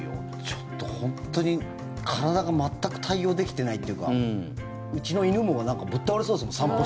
ちょっと本当に体が全く対応できてないというかうちの犬もぶっ倒れそうですもん。